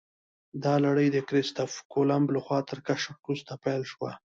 دا لړۍ د کریسټف کولمب لخوا تر کشف وروسته پیل شوه.